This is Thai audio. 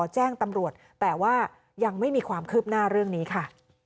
แจ้งตำรวจแต่ว่ายังไม่มีความคืบหน้าเรื่องนี้ค่ะ